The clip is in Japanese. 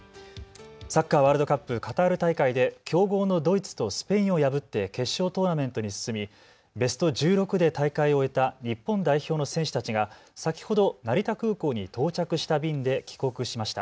サッカーワールドカップカタール大会で強豪のドイツとスペインを破って決勝トーナメントに進みベスト１６で大会を終えた日本代表の選手たちが先ほど成田空港に到着した便で帰国しました。